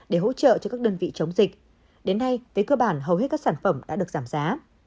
để hỗ trợ cho các đơn vị chống dịch đến nay với cơ bản hầu hết các sản phẩm đã được giảm giá